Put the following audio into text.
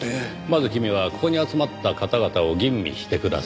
まず君はここに集まった方々を吟味してください。